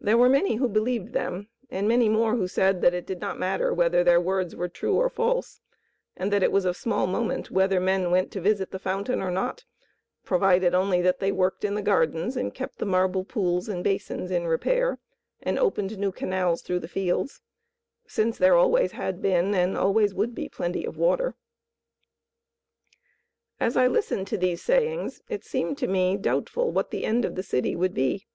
There were many who believed them, and many more who said that it did not matter whether their words were true or false, and that it was of small moment whether men went to visit the fountain or not, provided only that they worked in the gardens and kept the marble pools and basins in repair and opened new canals through the fields, since there always had been and always would be plenty of water. As I listened to these sayings it seemed to me doubtful what the end of the city would be.